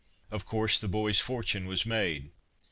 Of course the boy's fortune was made.